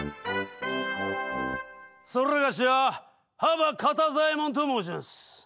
それがしは幅肩座右衛門と申します。